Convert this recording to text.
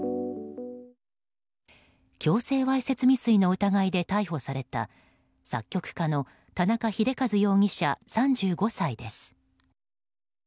強制わいせつ未遂の疑いで逮捕された作曲家の田中秀和容疑者、３５歳です。